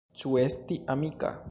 Ĉu esti amika?